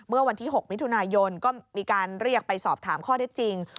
เมื่อวันที่๖มิถุนายนก็มีการเรียกไปสอบถามข้อได้จริง